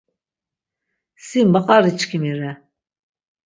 Si maqariçkimi re.